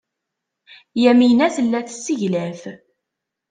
Yamina tella tesseglaf.